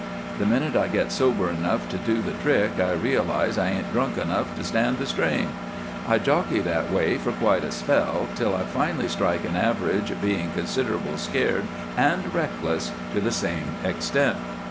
The minute I get sober enough to do the trick I realize I ain't drunk enough to stand the strain. I jockey that way for quite a spell till I finally strike an average, being considerable scared and reckless to the same extent.